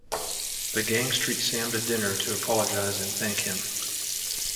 The gangs treat Sam to dinner to apologise and thank him.